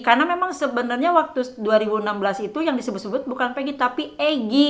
karena memang sebenarnya waktu dua ribu enam belas itu yang disebut sebut bukan peggy tapi egy